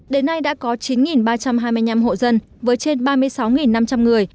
đến nay đã có chín ba trăm hai mươi năm hộ dân với trên ba mươi sáu năm trăm linh người